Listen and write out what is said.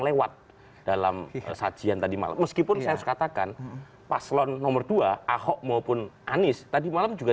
lewat dalam sajian tadi malam meskipun saya harus katakan paslon nomor dua ahok maupun anies tadi malam juga